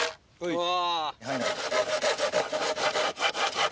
うわ。